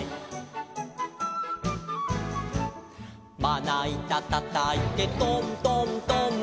「まないたたたいてトントントン」